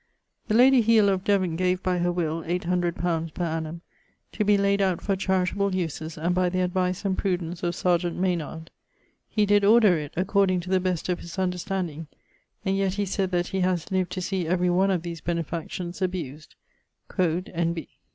The lady Hele of Devon gave by her will 800 li. per annum to be layd out for charitable uses and by the advice and prudence of serjeant Maynard. He did order it according to the best of his understanding, and yet he sayd that he haz lived to see every one of these benefactions abused quod N. B.